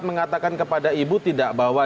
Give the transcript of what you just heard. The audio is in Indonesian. mengatakan kepada ibu tidak bahwa